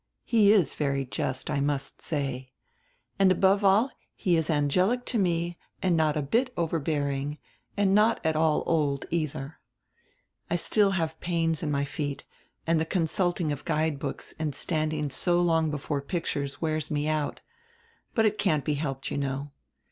He is very just, I must say. And above all he is angelic to me and not a bit overbearing and not at all old, eitiier. I still have pains in my feet, and die consulting of guide books and standing so long before pictures wears me out. But it can't be helped, you know.